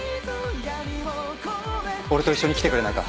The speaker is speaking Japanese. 俺と一緒に来てくれないか？